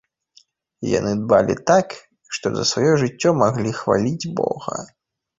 Яны дбалі так, што за сваё жыццё маглі хваліць бога.